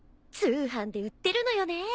通販で売ってるのよね。